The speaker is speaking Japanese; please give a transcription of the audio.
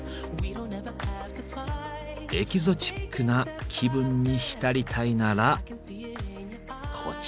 エキゾチックな気分に浸りたいならこちら。